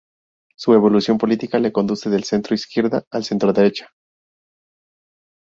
Su evolución política le conduce del centro izquierda al centro derecha.